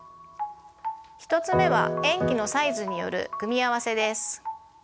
１つ目は塩基のサイズによる組み合わせです。